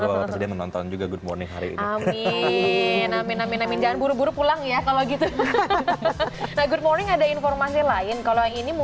bapak presiden menonton juga good morning hari ini amin amin amin jangan buru buru pulang ya kalau gitu